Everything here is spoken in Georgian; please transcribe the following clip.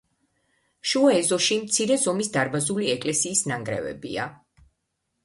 შუა ეზოში მცირე ზომის დარბაზული ეკლესიის ნანგრევებია.